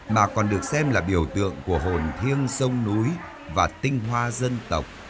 mà còn được xem là biểu tượng của hồn thiêng sông núi và tinh hoa dân tộc